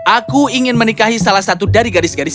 aku ingin menikahi salah satu dari gadis gadis ini